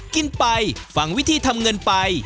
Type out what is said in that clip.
กินไปฟังวิธีทำเงินไป